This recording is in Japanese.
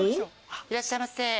いらっしゃいませ。